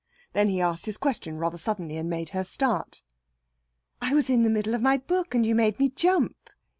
Then he asked his question rather suddenly, and it made her start. "I was in the middle of my book, and you made me jump."